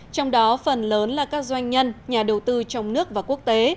trong đó phần lớn là các doanh nhân nhà đầu tư trong nước và quốc tế